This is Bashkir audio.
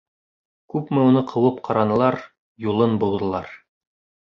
Күпме уны ҡыуып ҡаранылар, юлын быуҙылар.